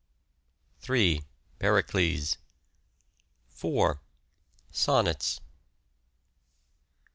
Pericles. 4. Sonnets.